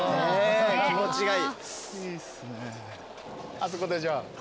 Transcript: あそこでじゃあ。